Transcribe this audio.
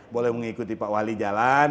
boleh mengikuti pak wali jalan